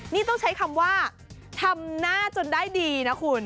นี่ต้องใช้คำว่าทำหน้าจนได้ดีนะคุณ